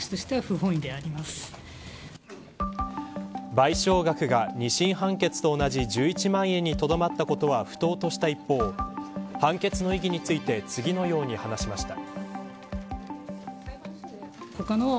賠償額が二審判決と同じ１１万円にとどまったことは不当とした一方判決の意義について次のように話しました。